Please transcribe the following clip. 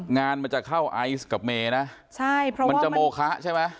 งานมันจะเข้าไอซ์กับเมนะใช่เพราะว่ามันจะโมคะใช่ไหม